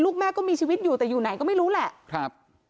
แม่ก็มีชีวิตอยู่แต่อยู่ไหนก็ไม่รู้แหละครับ